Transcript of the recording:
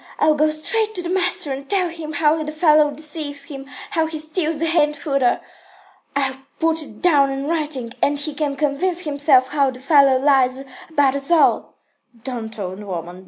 I'll go straight to the master and tell him how the fellow deceives him, how he steals the hay and fodder. I'll put it down in writing, and he can convince himself how the fellow lies about us all." "Don't, old woman.